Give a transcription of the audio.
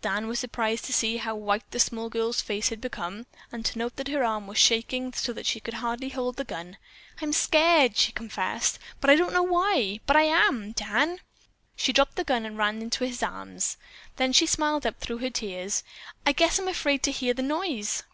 Dan was surprised to see how white the small girl's face had become, and to note that her arm was shaking so that she could hardly hold the gun. "I'm scared," she confessed. "I don't know why, but I am, Dan." She dropped the gun and ran to his arms. Then she smiled up through her tears. "I guess I'm afraid to hear the noise."